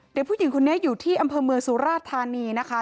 เด็กผู้หญิงคนนี้อยู่ที่อำเภอเมืองสุราชธานีนะคะ